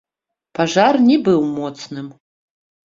Пажар не быў моцным.